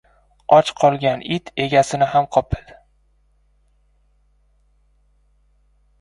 • Och qolgan it egasini ham qopadi.